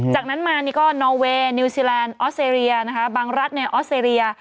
จากนั้นมานี่ก็นอเวย์นิวซีแลนด์ออสเตรเลียนะคะบางรัฐในออสเตรเลีย